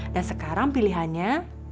dan sekarang pilihannya